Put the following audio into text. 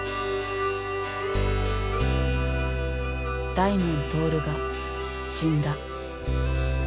大門亨が死んだ。